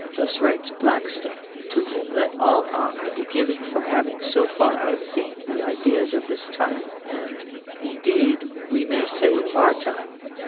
Thus writes Blackstone, to whom let all honour be given for having so far outseen the ideas of his time ; and, indeed, we may say of our time.